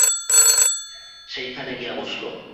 সেইখানে গিয়ে বসল।